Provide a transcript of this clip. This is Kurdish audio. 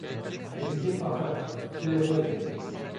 - Tu bi kêfa dilê xwe yî…